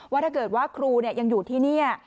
ว่าถ้าเกิดว่าครูยังอยู่ที่นี่